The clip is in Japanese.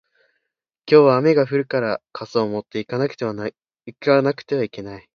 今日は雨が降るから傘を持って行かなくてはいけない